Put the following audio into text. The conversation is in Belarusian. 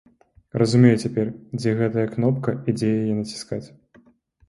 Разумею цяпер, дзе гэтая кнопка і дзе яе націскаць.